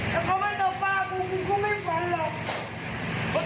ถ้าเค้าไม่ต้องป้ากูกูไม่ฟันหรอก